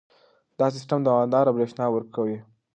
دا سیستم دوامداره برېښنا ورکوي.